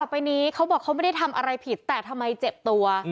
ไปนี้เขาบอกเขาไม่ได้ทำอะไรผิดแต่ทำไมเจ็บตัว